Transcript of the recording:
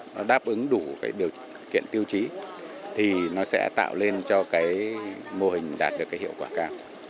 nó đáp ứng đủ cái điều kiện tiêu chí thì nó sẽ tạo lên cho cái mô hình đạt được cái hiệu quả cao